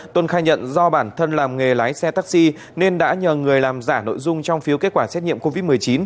tuân khai nhận do bản thân làm nghề lái xe taxi nên đã nhờ người làm giả nội dung trong phiếu kết quả xét nghiệm covid một mươi chín